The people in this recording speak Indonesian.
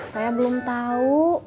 saya belum tahu